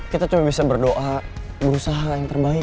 kita cuma bisa berdoa berusahalah yang terbaik